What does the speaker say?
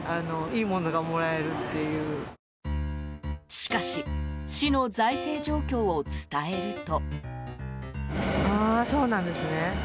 しかし市の財政状況を伝えると。